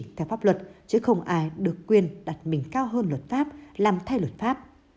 theo pháp luật chứ không ai được quyền đặt mình cao hơn luật pháp làm thay luật pháp